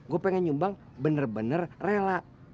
gue pengen nyumbang bener bener rela